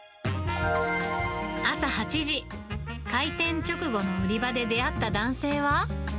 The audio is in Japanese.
朝８時、開店直後の売り場で出会った男性は。